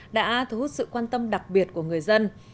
đã thu hút sự quan tâm đặc biệt của người dân